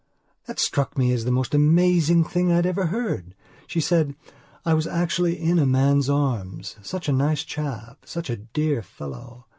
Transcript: That struck me as the most amazing thing I had ever heard. She said "I was actually in a man's arms. Such a nice chap! Such a dear fellow!